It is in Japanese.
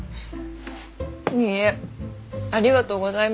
いいえありがとうございます。